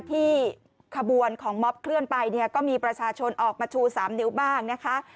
ที่ขบวนของมอบเคลื่อนไปเนี่ยก็มีประชาชนออกมาชู๓นิ้วบ้างนะคะ